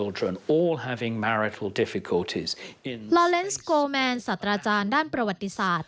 เลนสโกแมนสัตว์อาจารย์ด้านประวัติศาสตร์